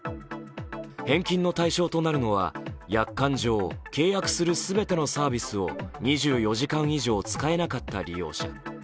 返金の対象となるのは約款上、契約する全てのサービスを２４時間以上使えなかった利用者。